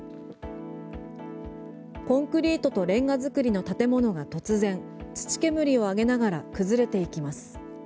コンクリートとレンガ造りの建物が突然土煙を上げながら崩れていきます。